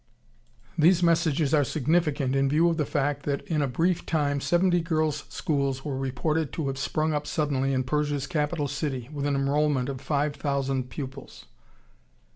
] These messages are significant in view of the fact that in a brief time seventy girls' schools were reported to have sprung up suddenly in Persia's capital city, with an enrolment of five thousand pupils.